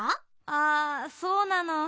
あそうなの。